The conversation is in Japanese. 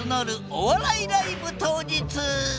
お笑いライブ当日。